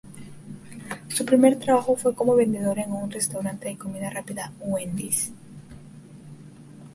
Su primer trabajo fue como vendedora en un restaurante de comida rápida Wendy's.